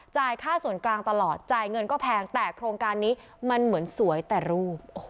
ค่าส่วนกลางตลอดจ่ายเงินก็แพงแต่โครงการนี้มันเหมือนสวยแต่รูป